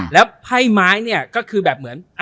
แล้วไพ่ไม้เนี่ยก็คือแบบเหมือน